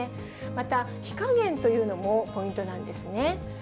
また火加減というのもポイントなんですね。